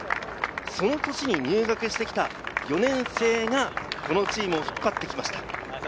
その年に入学してきた４年生がこのチームを引っ張ってきました。